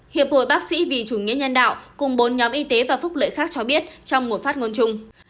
hiệp hội bác sĩ vì chủ nghĩa nhân đạo cùng bốn nhóm y tế và phúc lợi khác cho biết trong một phát ngôn chung